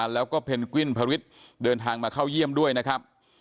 แล้วก็เพนกวิ้นพริษเดินทางมาเข้าเยี่ยมด้วยนะครับ